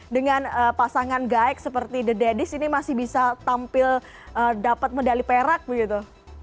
dengan pasangan guike seperti the daddies ini masih bisa tampil dapat medali perak begitu